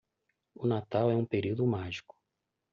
O natal é um período mágico